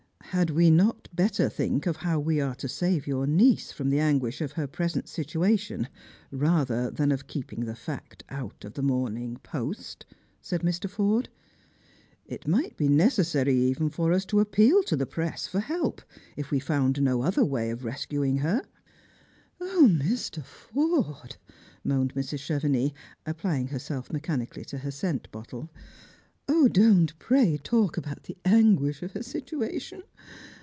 " Had we not better think of how we are to save your niec( from the anguish of her present situation rather than ot keeping the fact out of the Morning Fost ?" said Mr. Forde. " It might be necessary even for us to appeal to the Press for help, if we found no other way of rescuing her." " Mr. Forde !" moaned "Mrs. Chevenix, applying herself mechanically to her scent bottle; "don't pray talk about the anguish of her situation.